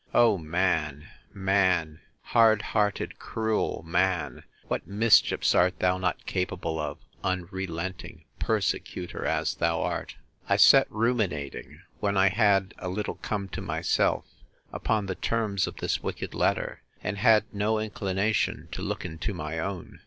O man! man! hard hearted, cruel man! what mischiefs art thou not capable of, unrelenting persecutor as thou art! I sat ruminating, when I had a little come to myself, upon the terms of this wicked letter; and had no inclination to look into my own.